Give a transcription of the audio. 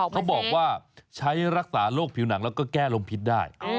เขาบอกว่าใช้รักษาโรคผิวหนังแล้วก็แก้ลมพิษได้